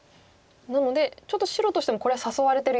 なのでちょっと白としてもこれは誘われてるような。